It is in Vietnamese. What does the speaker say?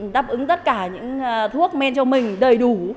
đáp ứng tất cả những thuốc men cho mình đầy đủ